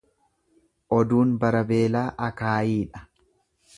Oduun bara beelaa akaayiidha.